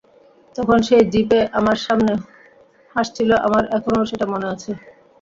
তখন সেই জিপে আমার সামনে হাসছিল আমার এখনো সেটা মনে আছে।